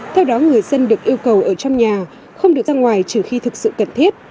theo đó người dân được yêu cầu ở trong nhà không được ra ngoài trừ khi thực sự cần thiết